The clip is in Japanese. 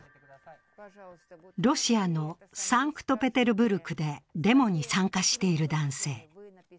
ロシアのサンクトペテルブルクでデモに参加している男性。